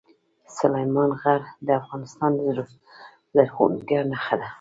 سلیمان غر د افغانستان د زرغونتیا نښه ده.